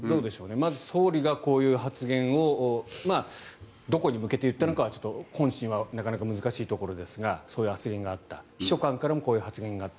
まず、総理がこういう発言をどこに向けて言ったのかは本心はなかなか難しいところですがそういう焦りがあった秘書官からもこういう発言があった。